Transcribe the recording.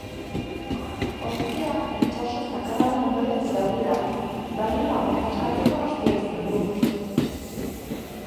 Ontzia itsaso zakarraren ondorioz irauli da, baina laguntza eskatzeko astia izan du.